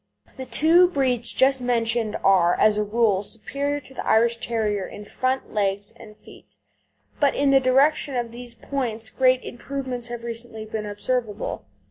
The two breeds just mentioned are, as a rule, superior to the Irish Terrier in front legs, and feet, but in the direction of these points great improvements have recently been observable.